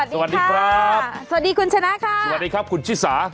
สวัสดีครับสวัสดีคุณชนะค่ะสวัสดีครับคุณชิสา